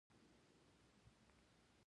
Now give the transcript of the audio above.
خارجۍ راغلې وه څه يې غوښتل.